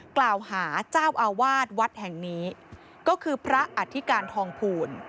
กล่าวหาเจ้าอาวาสวัดแห่งนี้ก็คือพระอธิการทองภูล